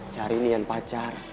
cari nih ian pacar